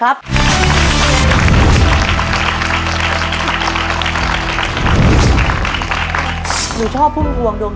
ตัวเลือกที่๔๖ดอก